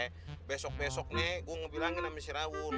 maksud gue besok besok nih gue ngebilangin sama si rawun